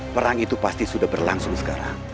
perang itu pasti sudah berlangsung sekarang